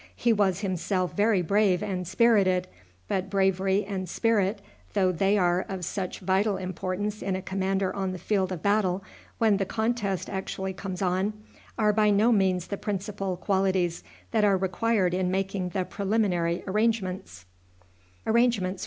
He was himself very brave and spirited; but bravery and spirit, though they are of such vital importance in a commander on the field of battle, when the contest actually comes on, are by no means the principal qualities that are required in making the preliminary arrangements.